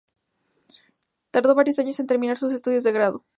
Tardó varios años en terminar sus estudios de grado.